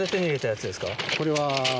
これは。